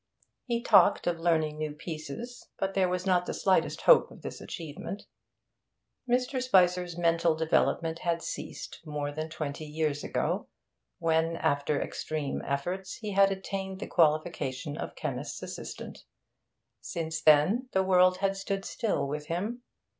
He talked of learning new pieces, but there was not the slightest hope of this achievement. Mr. Spicer's mental development had ceased more than twenty years ago, when, after extreme efforts, he had attained the qualification of chemist's assistant. Since then the world had stood still with him.